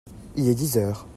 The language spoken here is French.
Il est dix heures.